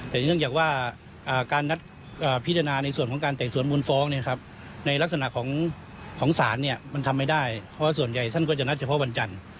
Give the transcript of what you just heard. แต่เนื่องจากว่าการนัดพิจารณาในส่วนของการไต่สวนมูลฟ้องในลักษณะของศาลมันทำไม่ได้เพราะว่าส่วนใหญ่ท่านก็จะนัดเฉพาะวันจันทร์